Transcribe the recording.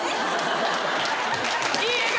いい笑顔！